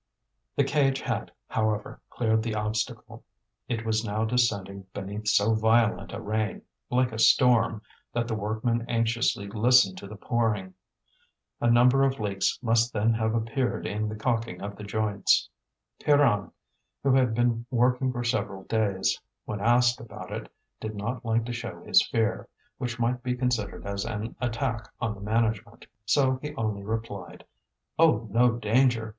The cage had, however, cleared the obstacle. It was now descending beneath so violent a rain, like a storm, that the workmen anxiously listened to the pouring. A number of leaks must then have appeared in the caulking of the joints. Pierron, who had been working for several days, when asked about it did not like to show his fear, which might be considered as an attack on the management, so he only replied: "Oh, no danger!